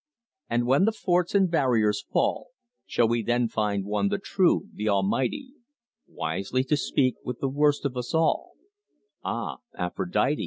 And when the forts and the barriers fall, Shall we then find One the true, the almighty, Wisely to speak with the worst of us all Ah, Aphrodite!